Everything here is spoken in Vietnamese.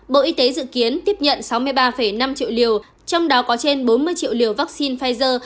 bộ y tế dự kiến tiếp nhận sáu mươi ba năm triệu liều trong đó có trên bốn mươi triệu liều vaccine pfizer